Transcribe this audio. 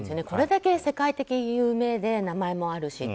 これだけ世界的有名で名前もあるし。